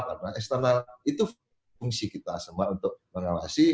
karena eksternal itu fungsi kita semua untuk mengawasi